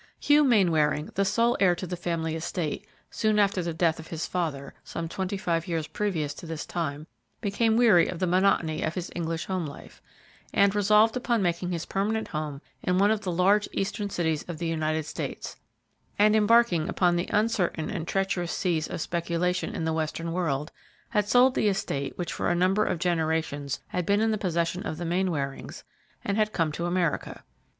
Hugh Mainwaring, the sole heir to the family estate, soon after the death of his father, some twenty five years previous to this time, became weary of the monotony of his English homelife, and, resolved upon making his permanent home in one of the large eastern cities of the United States and embarking upon the uncertain and treacherous seas of speculation in the western world, had sold the estate which for a number of generations had been in the possession of the Mainwarings, and had come to America.